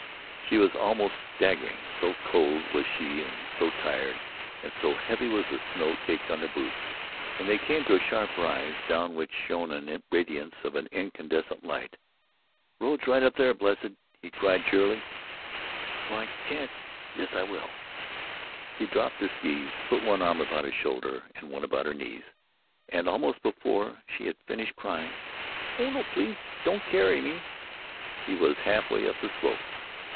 She was almost staggering, so cold was she and so tired, and so heavy was the snow caked on her boots, when they came to a sharp rise, down which shone the radiance of an incandescent light. "Road's right up there, blessed," he cried, cheerily. "Oh, I can't——Yes, I will——" He dropped the skees, put one arm about her shoulders and one about her knees, and almost before she had finished crying, "Oh no, please don't carry me!" he was half way up the slope.